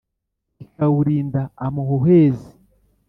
kikawurinda amahuhezi.